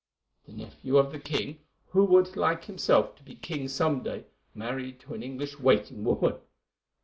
The nephew of the king, who would like himself to be king some day, married to an English waiting woman!